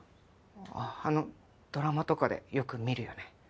あぁあのドラマとかでよく見るよね。